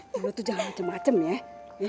lo tuh jangan macem macem ya